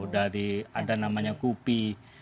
dari ada namanya kupi